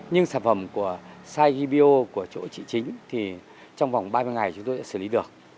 nhưng sản phẩm của saiki bio của chỗ trị chính thì trong vòng ba mươi ngày chúng tôi đã xử lý được